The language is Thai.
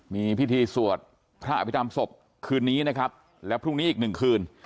มีพิธีสวดพระอภิษฐรรมศพคืนนี้นะครับและพรุ่งนี้อีกหนึ่งคืน